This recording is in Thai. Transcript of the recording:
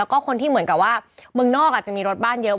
ก็คนที่เหมือนกับว่าเมืองนอกอาจจะมีรถบ้านเยอะ